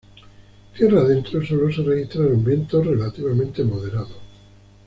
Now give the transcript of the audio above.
Tierra adentro, sólo se registraron vientos relativamente moderados.